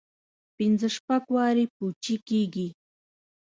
پنځه شپږ وارې پوجي کېږي.